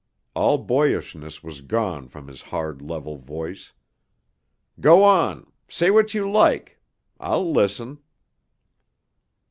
All boyishness was gone from his hard, level voice. "Go on. Say what you like. I'll listen."